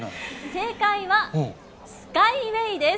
正解は、スカイウェイです。